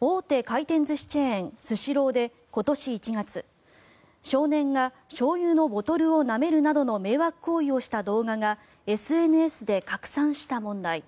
大手回転寿司チェーンスシローで今年１月少年がしょうゆのボトルをなめるなどの迷惑行為をした動画がＳＮＳで拡散した問題。